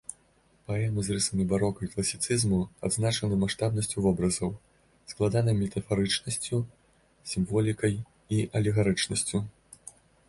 Паэмы з рысамі барока і класіцызму адзначаны маштабнасцю вобразаў, складанай метафарычнасцю, сімволікай і алегарычнасцю.